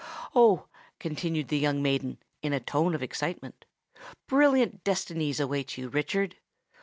Oh!" continued the young maiden, in a tone of excitement, "brilliant destinies await you, Richard!